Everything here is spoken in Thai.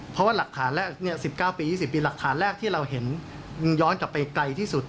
เพราะว่าหลักฐานแรก๑๙ปี๒๐ปีหลักฐานแรกที่เราเห็นย้อนกลับไปไกลที่สุด